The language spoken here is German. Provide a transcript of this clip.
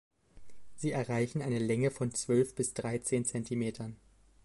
Sie erreichen eine Länge von zwölf bis dreizehn Zentimetern.